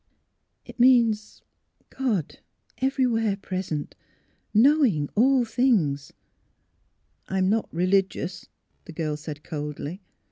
" It means — God, everywhere present, knowing all things " "I'm not religious," the girl said, coldly.